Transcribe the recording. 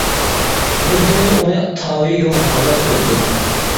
بىر كۈنى ئۇنى تاۋى يوق ھالدا كۆردۈم.